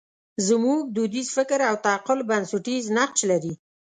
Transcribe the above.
زموږ دودیز فکر او تعقل بنسټیز نقش لري.